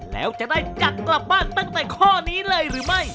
แล้วจะได้กัดกลับบ้านตั้งแต่ข้อนี้เลยหรือไม่